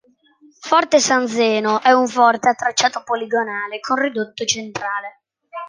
Forte San Zeno è un forte a tracciato poligonale con ridotto centrale.